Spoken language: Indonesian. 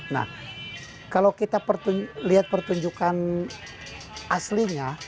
nah kalau kita lihat pertunjukan aslinya